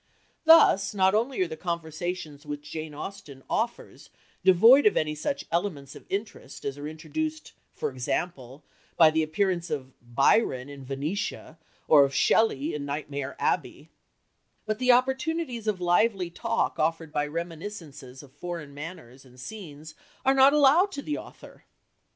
Thus, not only are the conversations which Jane Austen offers devoid of any such elements of interest as are introduced, for example, by the appearance of Byron in Venetia, or of Shelley in Nightmare Abbey, but the opportunities of lively talk offered by reminiscences of foreign manners and scenes are not allowed to the author.